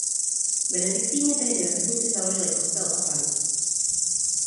Benediktini tehdy ve vesnici založili kostel a faru.